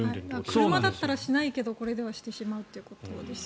車だったらしないけどこれだったらしてしまうということですよね。